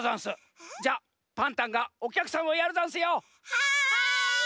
はい！